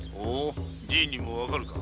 じぃにもわかるか。